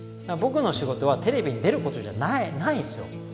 僕の仕事はテレビに出ることじゃないんすよ